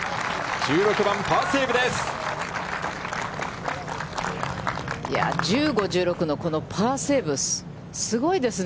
１６番、パーセーブです。